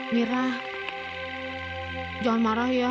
mira jangan marah ya